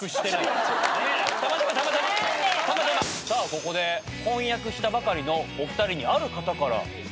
ここで婚約したばかりのお二人にある方からメッセージが。